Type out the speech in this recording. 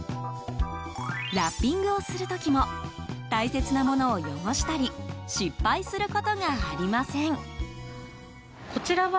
ラッピングをする時も大切なものを汚したり失敗することがありません。